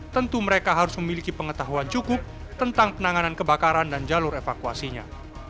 tentu mereka harus memiliki pengetahuan cukup tentang penanganan kebakaran dan jalur evakuasinya